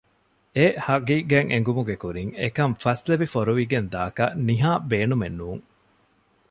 އެ ހަޤީޤަތް އެނގުމުގެ ކުރިން އެކަން ފަސްލެވި ފޮރުވިގެން ދާކަށް ނިހާ ބޭނުމެއް ނޫން